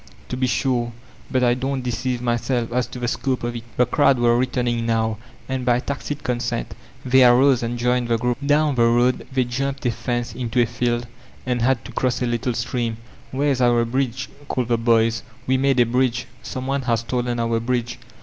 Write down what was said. "To be sure. But I don't deceive myself as to the scope of it." The crowd were returning now, and by tacit consent they arose and joined the group. Down the road they jumped a fence into a field and had to cross a littk stream. "Where is our bridge?" called the boys. "We made a bridge. Some one has stolen our bridge."